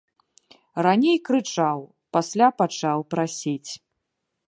Раней крычаў, пасля пачаў прасіць.